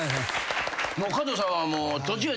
加藤さんはもう。